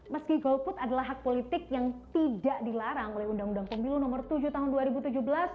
meski golput adalah hak politik yang tidak dilarang oleh undang undang pemilu nomor tujuh tahun dua ribu tujuh belas